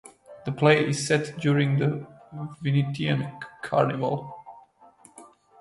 The play is set during the Venetian Carnival.